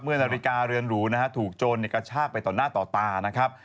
นาฬิกาเรือนหรูนะฮะถูกโจรกระชากไปต่อหน้าต่อตานะครับ